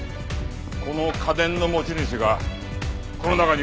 この家電の持ち主がこの中にいるはずだ。